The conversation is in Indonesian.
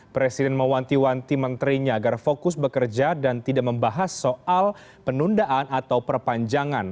presiden mewanti wanti menterinya agar fokus bekerja dan tidak membahas soal penundaan atau perpanjangan